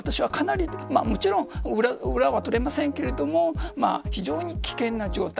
もちろん裏は取れませんが非常に危険な状態。